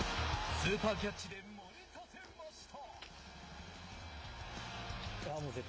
スーパーキャッチでもり立てました。